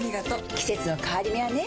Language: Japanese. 季節の変わり目はねうん。